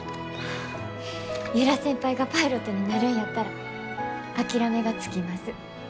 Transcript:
由良先輩がパイロットになるんやったら諦めがつきます。